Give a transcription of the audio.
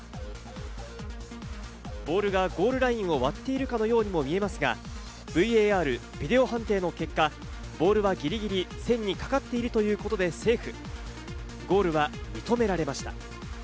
ボールがゴールラインを割っているかのようにも見えますが、ＶＡＲ、ビデオ判定の結果、ボールはギリギリ線にかかっているということでセーフ。